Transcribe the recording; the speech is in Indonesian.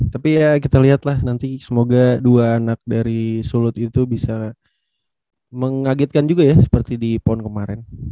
tapi ya kita liat lah nanti semoga dua anak dari sulut itu bisa mengagetkan juga ya seperti di p o n kemaren